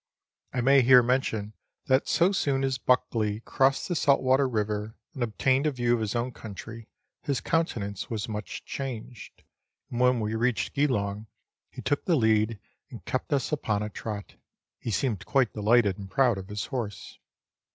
I may here mention that so soon as Buckley crossed the Saltwater River, and obtained a view of his own country, his countenance was much changed, and when we reached Geeloug, he took the lead, and kept us upon a trot. He seemed quite delighted and proud of his horse.